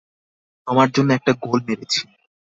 তোমার জন্য একটা গোল মেরেছি।